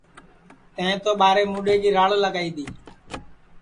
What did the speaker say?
تیں تو ٻاریں موڈؔیں کی راڑ لگائی دؔی